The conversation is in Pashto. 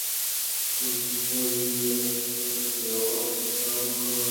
سږکال یې چاردېواله تاو کړه.